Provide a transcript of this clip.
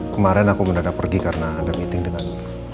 kemarin aku mendadak pergi karena anda meeting dengan